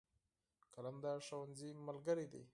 قلم د ښوونځي ملګری دی.